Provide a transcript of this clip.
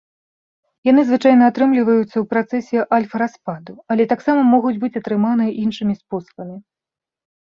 Яны звычайна атрымліваюцца ў працэсе альфа-распаду, але таксама могуць быць атрыманы іншымі спосабамі.